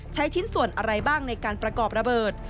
ชิ้นส่วนอะไรบ้างในการประกอบระเบิด